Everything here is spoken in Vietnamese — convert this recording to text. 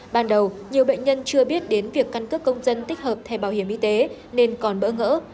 ban đầu nhiều bệnh nhân chưa biết đến việc căn cước công dân tích hợp thẻ bảo hiểm y tế nên còn bỡ ngỡ